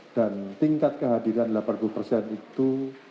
dan tingkat kehadiran delapan puluh persen itu